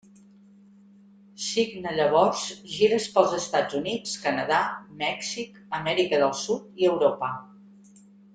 Signa llavors gires pels Estats Units, Canadà, Mèxic, Amèrica del Sud i Europa.